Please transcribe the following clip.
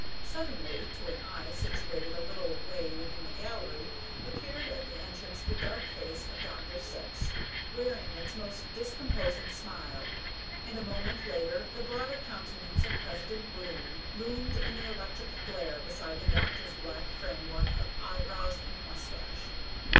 Suddenly, to an eye situated a little way within the gallery, appeared at the entrance the dark face of Dr. Syx, wearing its most discomposing smile, and a moment later the broader countenance of President Boon loomed in the electric glare beside the doctor's black framework of eyebrows and mustache.